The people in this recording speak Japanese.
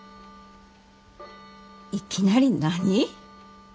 いきなり何？